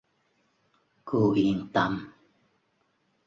cô yên tâm